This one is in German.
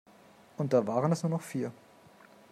Und da waren es nur noch vier.